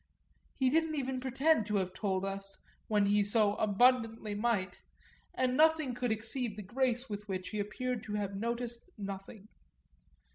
He didn't even pretend to have told us, when he so abundantly might, and nothing could exceed the grace with which he appeared to have noticed nothing.